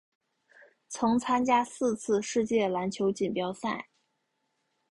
曾参加四次世界篮球锦标赛。